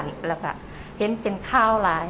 ยังสั่นเยอะเลย